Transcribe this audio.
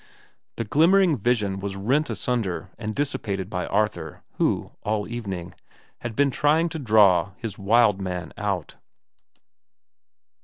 The glimmering vision was rent asunder and dissipated by Arthur, who, all evening, had been trying to draw his wild man out.